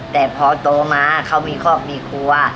แต่พอโตมาเขามีครอบครัว